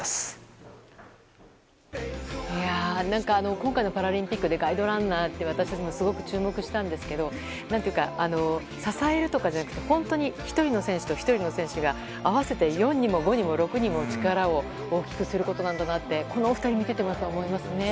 今回のパラリンピックでガイドランナーって私たちもすごく注目したんですけど支えるとかじゃなく１人の選手と１人の選手が合わせて、４にも５にも６にも力を大きくすることなんだとこのお二人を見ていて思いましたね。